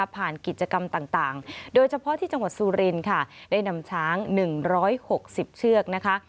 กิจกรรมต่างโดยเฉพาะที่จังหวัดสุรินค่ะได้นำช้าง๑๖๐เชือกนะคะ